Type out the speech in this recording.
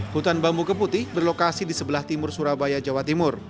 hutan bambu keputi berlokasi di sebelah timur surabaya jawa timur